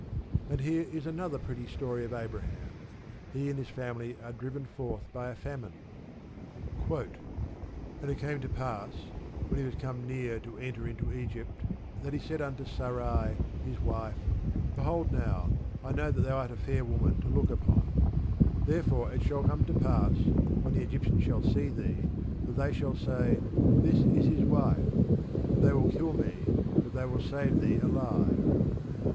And here is another pretty story of Abraham. He and his family are driven forth by a famine: And it came to pass, when he was come near to enter into Egypt, that he said unto Sarai, his wife, Behold now, I know that thou art a fair woman to look upon: Therefore it shall come to pass, when the Egyptians shall see thee, that they shall say, This is his wife: and they will kill me, but they will save thee alive.